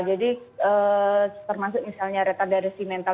jadi termasuk misalnya retardarisi mental